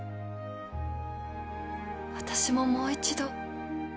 私ももう一度